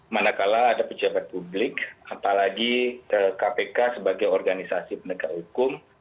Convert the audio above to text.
manakala ada pejabat publik apalagi kpk sebagai organisasi penegak hukum